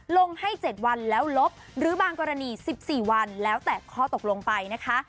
ลงให้๗วันแล้วลบหรือบางกรณี๑๔วันแล้วแต่ข้อตกลงไปนะคะ